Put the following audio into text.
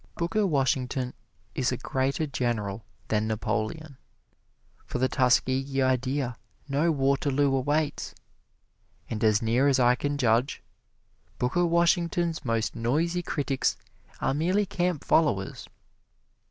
Booker Washington is a greater general than Napoleon. For the Tuskegee idea no Waterloo awaits. And as near as I can judge, Booker Washington's most noisy critics are merely camp followers.